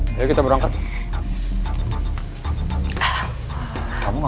jangan berantem berantem lagi ya